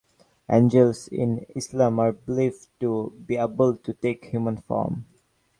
Angels in Islam are believed to be able to take human form.